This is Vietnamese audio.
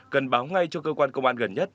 cần báo ngay cho cơ quan công an gần nhất